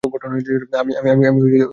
আমি বাঁ-দিকে থাকবো।